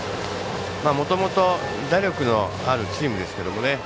もともと打力のあるチームですけれどもね